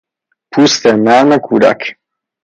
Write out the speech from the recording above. پوست نرم کودک